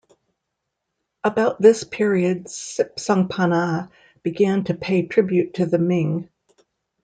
About this period Sipsongpanna began to pay tribute to the Ming.